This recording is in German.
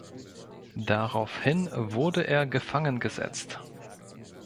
Daraufhin wurde er gefangen gesetzt.